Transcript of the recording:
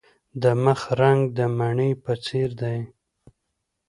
د مخ رنګ د مڼې په څیر دی.